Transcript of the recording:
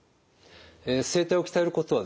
声帯を鍛えることはですね